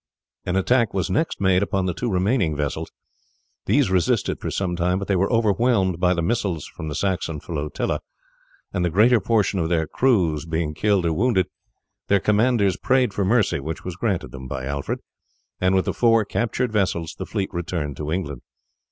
An attack was next made upon the two remaining vessels. These resisted for some time, but they were overwhelmed by the missiles from the Saxon flotilla; and the greater portion of their crews being killed or wounded, their commanders prayed for mercy, which was granted them by Alfred; and with the four captured vessels the fleet returned to England.